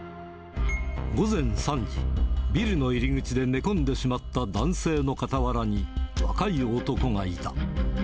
午前３時、ビルの入り口で寝込んでしまった男性のかたわらに、若い男がいた。